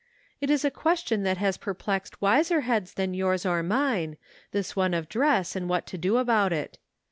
" It is a question that has per plexed wiser heads than yours or mine, this one of dress and what to do about it.